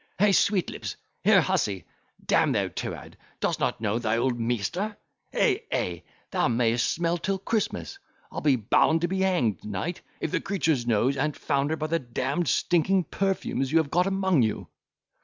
Hey, Sweetlips, here hussy, d—n the tuoad, dos't n't know thy old measter? Ey, ey, thou may'st smell till Christmas, I'll be bound to be hanged, knight, if the creature's nose an't foundered by the d——d stinking perfumes you have got among you."